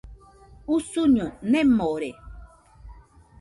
Usuño nemore.